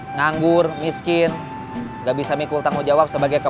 nganggur miskin gak bisa mikul tanggung jawab sebagai kepala